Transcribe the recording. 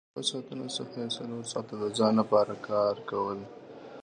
له اتو ساعتونو څخه یې څلور ساعته د ځان لپاره کول